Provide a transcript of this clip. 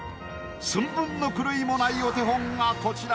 寸分の狂いもないお手本がこちら。